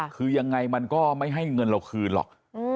คือยังไงมันก็ไม่ให้เงินเราคืนหรอก